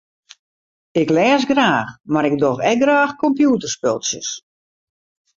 Ik lês graach mar ik doch ek graach kompjûterspultsjes.